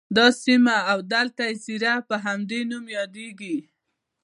دا سیمه او دلته اَذيره په همدې نوم یادیږي.